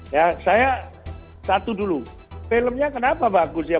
ya saya satu dulu filmnya kenapa bagus ya